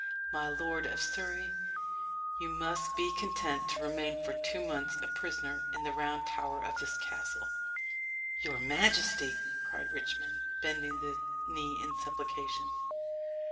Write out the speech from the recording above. "My lord of Surrey, you must be content to remain for two months a prisoner in the Round Tower of this castle." "Your majesty!" cried Richmond, bending the knee in supplication.